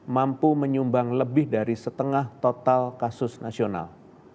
mampu menyumbang lebih dari setengah total kasus nasional